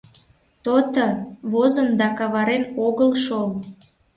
То-то, возын да каварен огыл шол.